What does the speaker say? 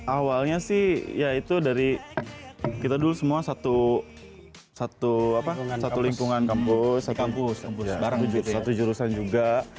awalnya sih ya itu dari kita dulu semua satu lingkungan kampus satu jurusan juga